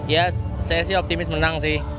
ya saya sih optimis menang sih